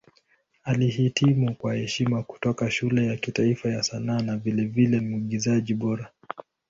Alihitimu kwa heshima kutoka Shule ya Kitaifa ya Sanaa na vilevile Mwigizaji Bora.